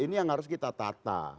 ini yang harus kita tata